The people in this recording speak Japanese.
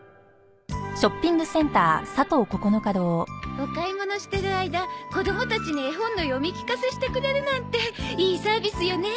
お買い物してる間子どもたちに絵本の読み聞かせしてくれるなんていいサービスよね。